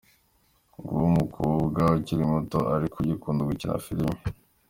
Nguwo umukobwa ukiri muto ariko ukunda gukina filimi.